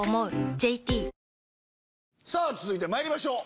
ＪＴ続いてまいりましょう。